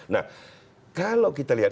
nah kalau kita lihat